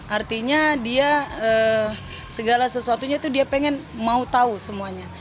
artinya dia segala sesuatunya itu dia pengen mau tahu semuanya